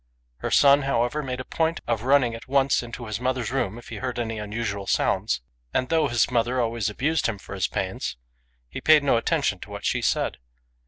Her son, however, made a point of running at once into his mother's room if he heard any unusual sounds ; and though his mother always abused him for his pains, he paid no attention to what she said.